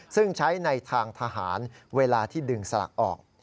ซึ่งใช้ในทางทหารเวลาที่ดึงสลักออก